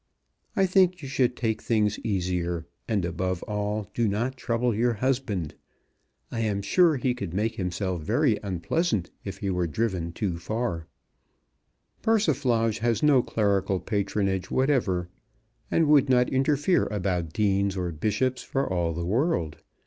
I think you should take things easier, and, above all, do not trouble your husband. I am sure he could make himself very unpleasant if he were driven too far. Persiflage has no clerical patronage whatever, and would not interfere about Deans or Bishops for all the world.